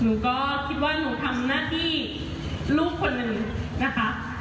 หนูก็คิดว่าหนูทำหน้าที่ลูกคนหนึ่งนะคะ